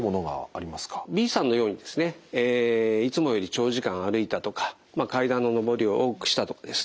Ｂさんのようにですねいつもより長時間歩いたとか階段の上り下りを多くしたとかですね